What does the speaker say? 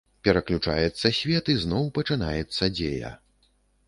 Пераключаецца свет, і зноў пачынаецца дзея.